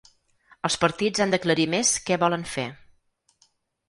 Els partits han d’aclarir més què volen fer.